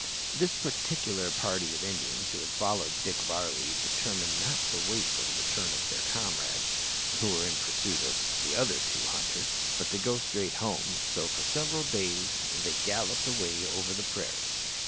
This particular party of Indians who had followed Dick Varley determined not to wait for the return of their comrades who were in pursuit of the other two hunters, but to go straight home, so for several days they galloped away over the prairie.